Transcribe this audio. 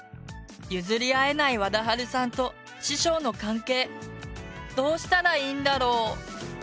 譲り合えないわだはるさんと師匠の関係どうしたらいいんだろう？